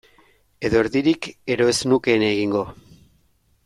Edo erdirik ere ez nukeen egingo.